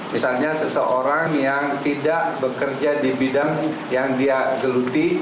misalnya seseorang yang tidak bekerja di bidang yang dia geluti